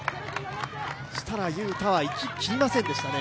設楽悠太はいききりませんでしたね。